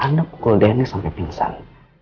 anda pukul danya sampai pingsan